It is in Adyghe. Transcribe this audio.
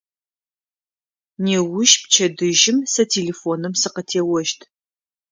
Неущ, пчэдыжьым, сэ телефоным сыкъытеощт.